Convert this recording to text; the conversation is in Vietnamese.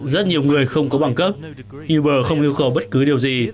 rất nhiều người không có bằng cấp uber không yêu cầu bất cứ điều gì